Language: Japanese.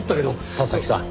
田崎さん